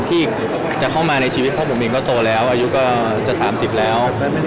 ที่จะเข้ามาในชีวิตเพราะผมเองก็โตแล้วอายุก็จะ๓๐แล้ว